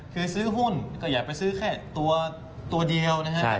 คือซื้อหุ้นก็อย่าไปซื้อแค่ตัวเดียวนะครับ